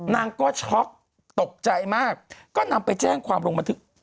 นางก็ช็อกตกใจมากก็นำไปแจ้งความลงบันทึก